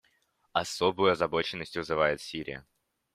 Особую озабоченность вызывает Сирия.